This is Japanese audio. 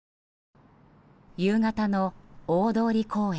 夕方の大通公園。